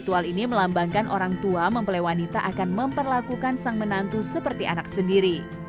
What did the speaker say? ritual ini melambangkan orang tua mempelai wanita akan memperlakukan sang menantu seperti anak sendiri